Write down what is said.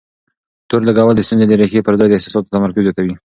تور لګول د ستونزې د ريښې پر ځای د احساساتو تمرکز زياتوي.